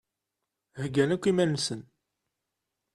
Heggan akk iman-nsen.